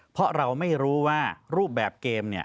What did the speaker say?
เพราะเราไม่รู้ว่ารูปแบบเกม